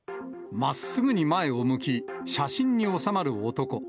まっすぐに前を向き、写真に収まる男。